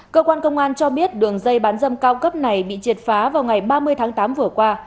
cơ quan công an cho biết đường dây bán dâm cao cấp này bị triệt phá vào ngày ba mươi tháng tám vừa qua